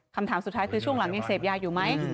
คำถามสุดท้ายคือช่วงหลังยังเสพยาอยู่ไหม